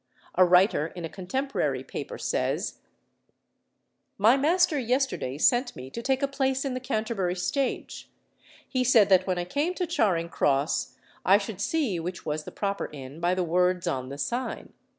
A writer in a contemporary paper says, "My master yesterday sent me to take a place in the Canterbury stage; he said that when I came to Charing Cross I should see which was the proper inn by the words on the sign.